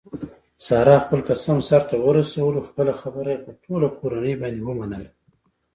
سارې خپل قسم سرته ورسولو خپله خبره یې په ټوله کورنۍ باندې ومنله.